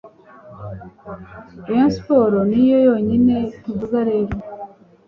rayon sport ni yo yonyine tuvuga rero